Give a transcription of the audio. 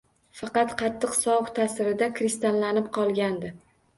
Faqat qattiq sovuq ta’sirida kristallanib qolgandi